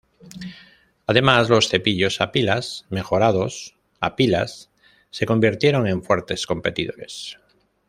Además, los cepillos a pilas mejorados a pilas se convirtieron en fuertes competidores.